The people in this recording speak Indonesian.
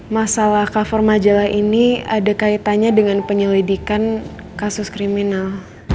masalah cover majalah ini ada kaitannya dengan penyelidikan kasus kriminal